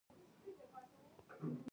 موږ ګازی بخاری ولګوله